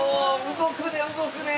動くね動くね！